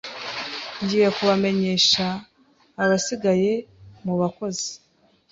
Ngiye kubamenyesha abasigaye mu bakozi.